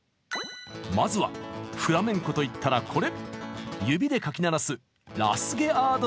まずはフラメンコといったらコレ！